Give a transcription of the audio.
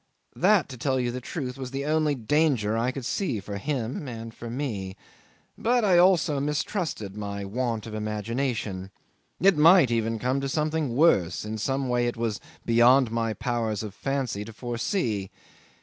That, to tell you the truth, was the only danger I could see for him and for me; but I also mistrusted my want of imagination. It might even come to something worse, in some way it was beyond my powers of fancy to foresee.